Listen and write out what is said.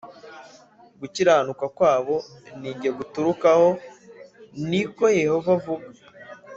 gukiranuka kwabo ni jye guturukaho ni ko Yehova avuga